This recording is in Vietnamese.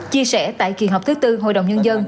chia sẻ tại kỳ họp thứ tư hội đồng nhân dân